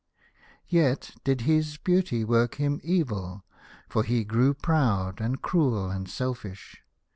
Yet did his beauty work him evil. For he grew proud, and cruel, and selfish.